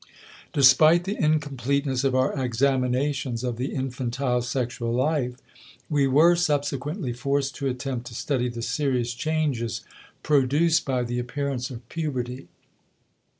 Despite the incompleteness of our examinations of the infantile sexual life we were subsequently forced to attempt to study the serious changes produced by the appearance of puberty.